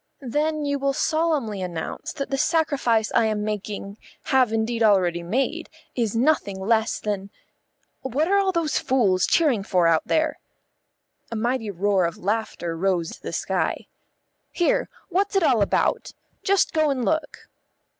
Then you will solemnly announce that the sacrifice I am making, have indeed already made, is nothing less than What are all those fools cheering for out there?" A mighty roar of laughter rose to the sky. "Here, what's it all about? Just go and look."